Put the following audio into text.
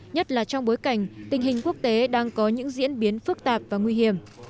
nhất là trong bối cảnh tình hình quốc tế đang có những diễn biến phức tạp và nguy hiểm